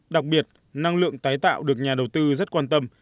đặc biệt năng lượng tái tạo được nhà đầu tư rất quan tâm